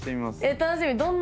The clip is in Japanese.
楽しみ。